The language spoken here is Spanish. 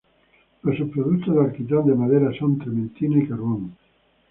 Los subproductos de alquitrán de madera son trementina y carbón.